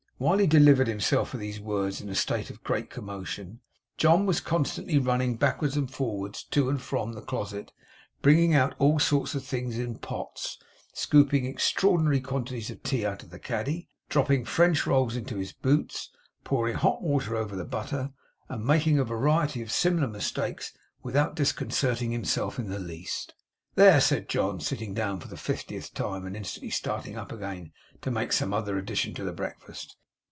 While he delivered himself of these words in a state of great commotion, John was constantly running backwards and forwards to and from the closet, bringing out all sorts of things in pots, scooping extraordinary quantities of tea out of the caddy, dropping French rolls into his boots, pouring hot water over the butter, and making a variety of similar mistakes without disconcerting himself in the least. 'There!' said John, sitting down for the fiftieth time, and instantly starting up again to make some other addition to the breakfast.